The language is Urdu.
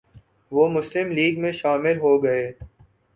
وہ مسلم لیگ میں شامل ہوگئے